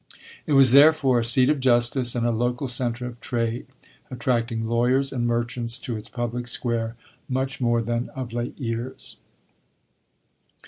It was therefore a seat of justice and a local centre of trade, attracting lawyers and merchants to its public square much more than of late years.